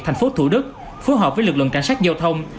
thành phố thủ đức phù hợp với lực lượng cảnh sát giao thông